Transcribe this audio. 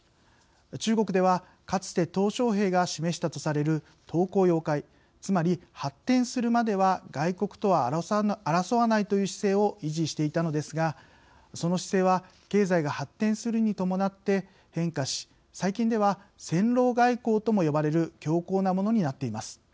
中国では、かつてとう小平が示したとされる韜光養晦、つまり発展するまでは外国とは争わないという姿勢を維持していたのですがその姿勢は経済が発展するにともなって変化し、最近では戦狼外交とも呼ばれる強硬なものになっています。